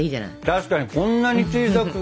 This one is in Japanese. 確かにこんなに小さいのにさ